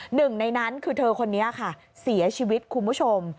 หนึ่งในนั้นคือเธอคนนี้ค่ะเสียชีวิตคุณผู้ชม